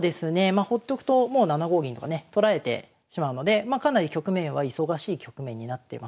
まあほっとくともう７五銀とかね取られてしまうのでかなり局面は忙しい局面になってますかね。